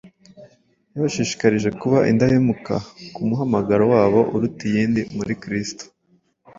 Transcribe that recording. yabashishikarije kuba indahemuka ku muhamagaro wabo uruta iyindi muri kristo.